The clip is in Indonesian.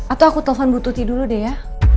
atau aku telpon bu tuti dulu deh ya